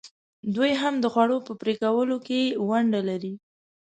دوی هم د خوړو په پرې کولو کې ونډه لري.